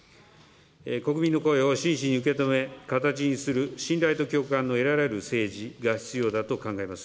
国民の声を真摯に受け止め、形にする信頼と共感の得られる政治が必要だと考えます。